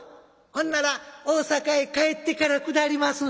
ほんなら大坂へ帰ってから下ります」。